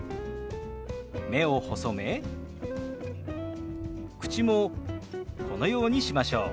目を細め口もこのようにしましょう。